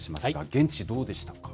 現地、どうでしたか？